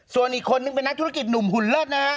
ส่วนอีกคนนึงเป็นนักธุรกิจหนุ่มหุ่นเลิศนะฮะ